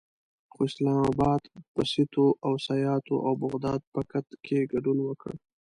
خو اسلام اباد په سیتو او سیاتو او بغداد پکت کې ګډون وکړ.